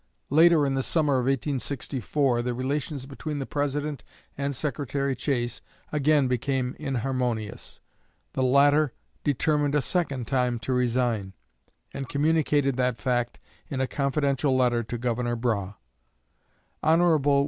Later in the summer of 1864 the relations between the President and Secretary Chase again became inharmonious; the latter determined a second time to resign, and communicated that fact in a confidential letter to Governor Brough. Hon.